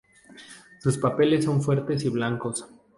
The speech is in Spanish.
Sus papeles son fuertes y blancos.